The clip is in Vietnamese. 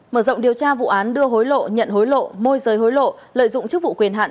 mở rộng điều tra vụ án đưa hối lộ nhận hối lộ môi giới hối lộ lợi dụng chức vụ quyền hạn